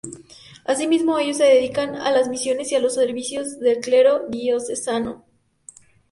Asimismo, ellos se dedican a las misiones y al servicio del clero diocesano.